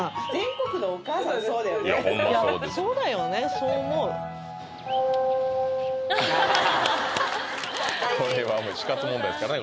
そう思うこれはもう死活問題ですからね